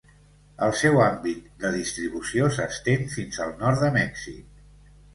El seu àmbit de distribució s'estén fins al nord de Mèxic.